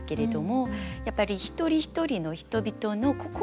やっぱり一人一人の人々の心。